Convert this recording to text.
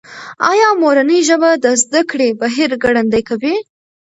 ایا مورنۍ ژبه د زده کړې بهیر ګړندی کوي؟